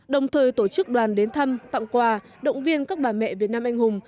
đồng thời tổ chức đoàn đến thăm tặng quà động viên các bà mẹ việt nam anh hùng